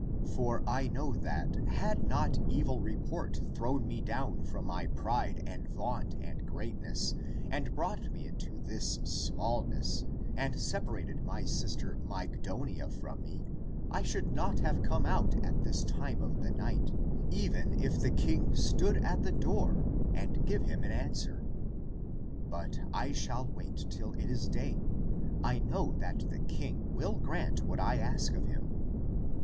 For I know that, had not evil report thrown me down from my pride and vaunt and greatness and brought me into this smallness and separated my sister Mygdonia from me, I should not have come out at this time (of the night) even if the king stood at the door and give him an answer. But I shall wait till it is day. I know that the king will grant what I ask of him.